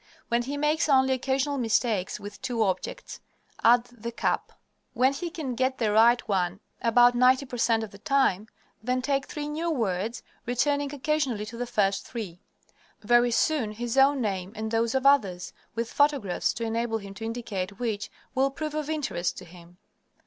When he makes only occasional mistakes with two objects, add the cap. When he can get the right one about 90 per cent. of the time, then take three new words, returning occasionally to the first three. Very soon his own name and those of others, with photographs to enable him to indicate which, will prove of interest to him.